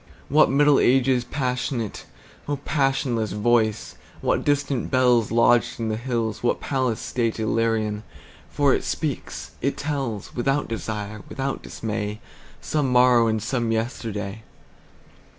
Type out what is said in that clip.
What Middle Ages passionate,O passionless voice! What distant bellsLodged in the hills, what palace stateIllyrian! For it speaks, it tells, Without desire, without dismay, Some morrow and some yesterday.